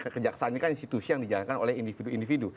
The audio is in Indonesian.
kejaksaan ini kan institusi yang dijalankan oleh individu individu